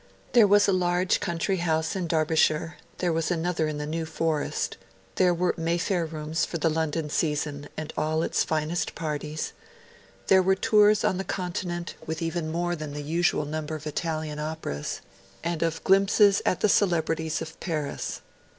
There was a large country house in Derbyshire; there was another in the New Forest; there were Mayfair rooms for the London season and all its finest parties; there were tours on the Continent with even more than the usual number of Italian operas and of glimpses at the celebrities of Paris.